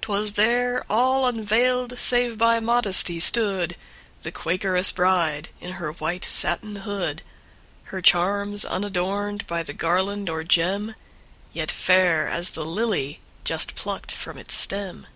'T was there, all unveiled, save by modesty, stoodThe Quakeress bride, in her white satin hood:Her charms unadorned by the garland or gem, Yet fair as the lily just plucked from its stem.